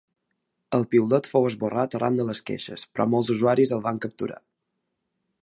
El piulet fou esborrat arran de les queixes, però molts usuaris el van capturar.